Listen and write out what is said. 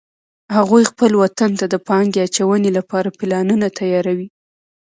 هغوی خپل وطن ته د پانګې اچونې لپاره پلانونه تیار وی